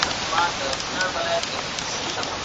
خو قوت یې و زبېښلی څو کلونو